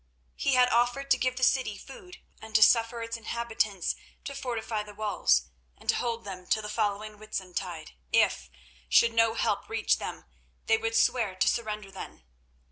He had offered to give the city food and to suffer its inhabitants to fortify the walls, and to hold them till the following Whitsuntide if, should no help reach them, they would swear to surrender then.